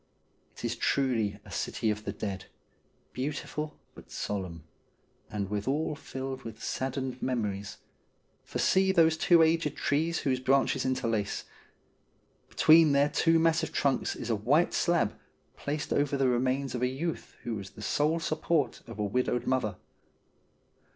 It is truly a City of the Dead, beautiful but solemn, and withal filled with saddened memories, for see those two aged trees whose branches interlace. Between their two massive trunks is a white slab placed over the remains of a youth who was the sole support of a widowed mother.